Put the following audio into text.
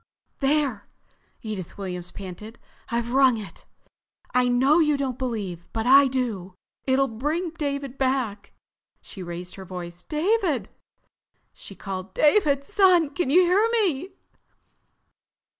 "There!" Edith Williams panted. "I've rung it. I know you don't believe, but I do. It'll bring David back." She raised her voice. "David!" she called. "David, son! Can you hear me?"